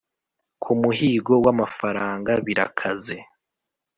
ku muhigo w'amafaranga birakaze